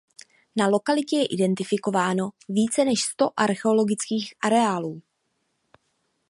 Na lokalitě je identifikováno více než sto archeologických areálů.